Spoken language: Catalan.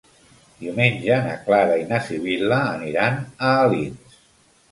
Diumenge na Clara i na Sibil·la aniran a Alins.